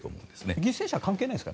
犠牲者は関係ないんでしょ。